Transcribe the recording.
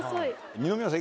二宮さん